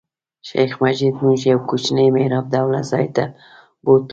شیخ مجید موږ یو کوچني محراب ډوله ځای ته بوتلو.